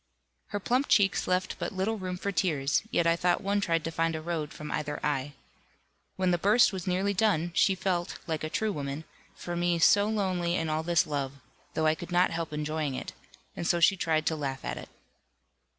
Her plump cheeks left but little room for tears, yet I thought one tried to find a road from either eye. When the burst was nearly done, she felt (like a true woman) for me so lonely in all this love, though I could not help enjoying it; and so she tried to laugh at it.